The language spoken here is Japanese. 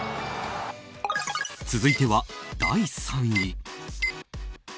続いては第３位。